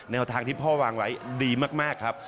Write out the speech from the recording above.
แนวทางที่พ่อวางไว้ดีมากครับ